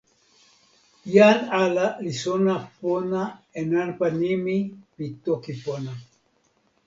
jan ala li sona pona e nanpa nimi pi toki pona.